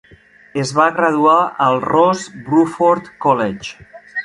Es va graduar al Rose Bruford College.